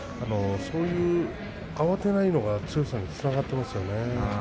慌てないのが強さにつながっていますよね。